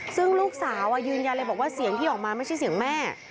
ซึ่งลูกสาวยืนยันเลยบอกว่าเสียงที่ออกมาไม่ใช่เสียงแม่